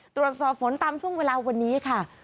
ตรวจสอบฝนตามช่วงเวลาวันนี้ค่ะ